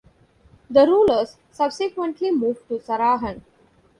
The rulers subsequently moved to Sarahan.